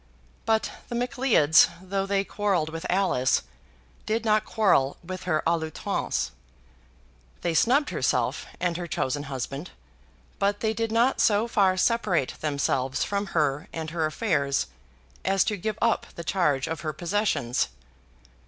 But the Macleods, though they quarrelled with Alice, did not quarrel with her à l'outrance. They snubbed herself and her chosen husband; but they did not so far separate themselves from her and her affairs as to give up the charge of her possessions.